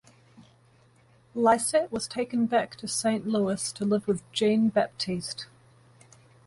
Lisette was taken back to Saint Louis to live with Jean Baptiste.